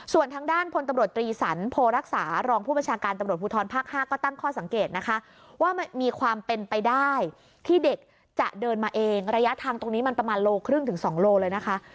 ส่วนทางด้านพลตำรวจตรีสันโพรักษารองผู้บัญชาการตำรวจภูทรภาค๕ก็ตั้งข้อสังเกตนะคะว่ามันมีความเป็นไปได้ที่เด็กจะเดินมาเองระยะทางตรงนี้มันประมาณโลครึ่งถึง๒โลเลยนะคะ